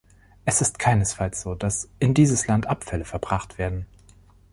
Es ist keinesfalls so, dass in dieses Land Abfälle verbracht werden.